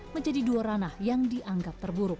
menjadi dua catatan yang dianggap berpengaruh